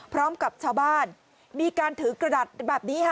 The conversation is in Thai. พร้อมกับชาวบ้านมีการถือกระดาษแบบนี้ค่ะ